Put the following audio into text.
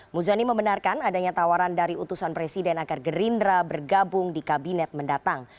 muzani membenarkan adanya tawaran dari utusan presiden agar gerindra bergabung di kabinet mendatang